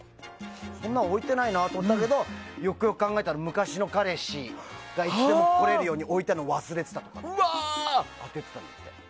そんなの置いてないなって思ったけどよくよく考えたら、昔の彼氏がいつでも来れるように置いてたのを忘れてたとか当ててたんだって。